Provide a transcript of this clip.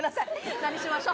何にしましょう？